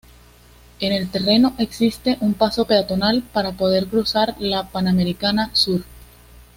En el terreno existe un paso peatonal para poder cruzar la Panamericana Sur.